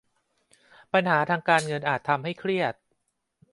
ปัญหาทางการเงินอาจทำให้เครียด